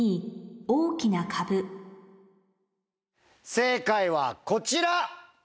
正解はこちら。